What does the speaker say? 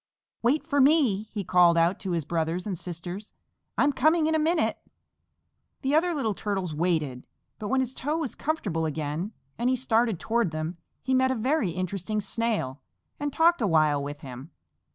"Wait for me!" he called out to his brothers and sisters. "I'm coming in a minute." The other little Turtles waited, but when his toe was comfortable again and he started toward them, he met a very interesting Snail and talked a while with him.